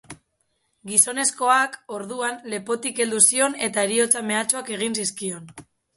Gizonezkoak, orduan, lepotik heldu zion eta heriotza mehatxuak egin zizkion.